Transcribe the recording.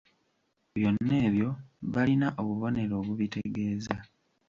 Byonna ebyo balina obubonero obubitegeeza.